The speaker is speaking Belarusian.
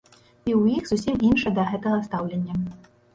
І ў іх зусім іншае да гэтага стаўленне.